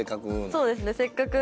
そうですねせっかく。